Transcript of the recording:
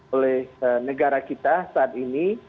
oleh negara kita saat ini